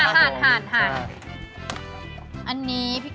อันนี้พี่เก่าขยิบนิดหนึ่งก่อน